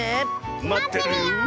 まってるよ！